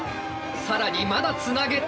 更にまだつなげて。